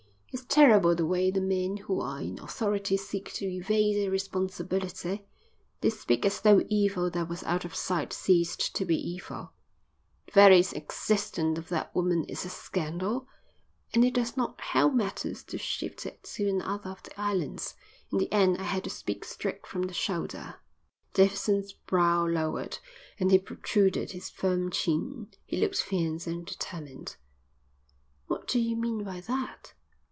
"It's terrible the way the men who are in authority seek to evade their responsibility. They speak as though evil that was out of sight ceased to be evil. The very existence of that woman is a scandal and it does not help matters to shift it to another of the islands. In the end I had to speak straight from the shoulder." Davidson's brow lowered, and he protruded his firm chin. He looked fierce and determined. "What do you mean by that?"